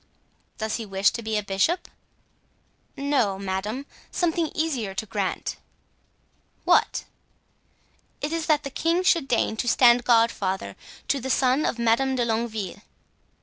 "Does he wish to be a bishop?" "No, madame, something easier to grant." "What?" "It is that the king should deign to stand godfather to the son of Madame de Longueville."